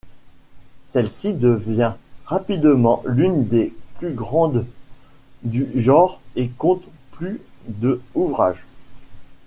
Celle-ci devient rapidement l’une des plus grandes du genre et compte plus de ouvrages.